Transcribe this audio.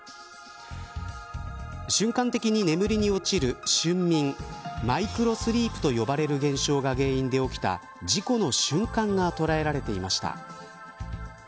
瞬間的に眠りに落ちる瞬眠マイクロスリープと呼ばれる現象が原因で起きた事故の瞬間が捉えられていました。